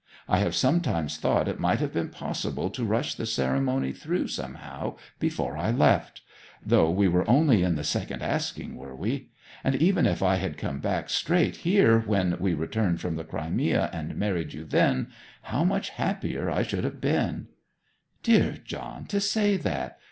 I have sometimes thought it might have been possible to rush the ceremony through somehow before I left; though we were only in the second asking, were we? And even if I had come back straight here when we returned from the Crimea, and married you then, how much happier I should have been!' 'Dear John, to say that!